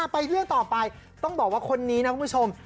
ไปเรื่องต่อไปต้องบอกว่าคนนี้นะคุณผู้ชม